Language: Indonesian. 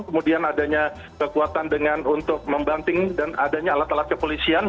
kemudian adanya kekuatan dengan untuk membanting dan adanya alat alat kepolisian